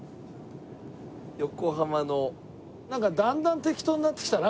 なんかだんだん適当になってきたな